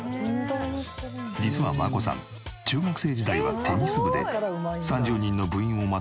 実は真子さん中学生時代はテニス部で３０人の部員をまとめる部長も務めていた。